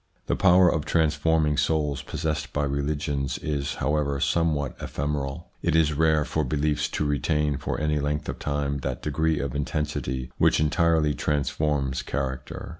The power of transforming souls possessed by religions is, however, somewhat ephemeral. It is rare for beliefs to retain for any length of time that degree of intensity which entirely transforms char acter.